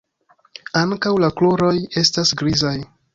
Ankaŭ la kruroj estas grizaj.